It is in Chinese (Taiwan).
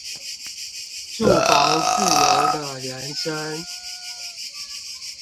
住房自由的人生